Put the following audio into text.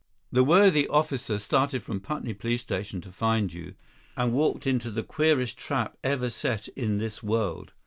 The worthy officer started from Putney police station to find you, and walked into the queerest trap ever set in this world.